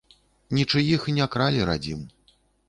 Нічыіх не кралі радзім.